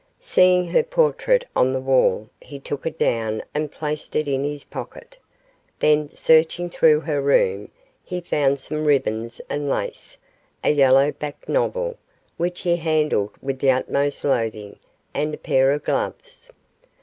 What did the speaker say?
Seeing her portrait on the wall he took it down and placed it in his pocket. Then, searching through her room, he found some ribbons and lace, a yellow backed novel, which he handled with the utmost loathing, and a pair of gloves.